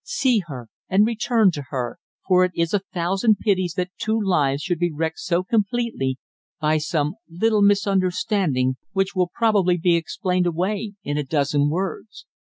See her, and return to her; for it is a thousand pities that two lives should be wrecked so completely by some little misunderstanding which will probably be explained away in a dozen words.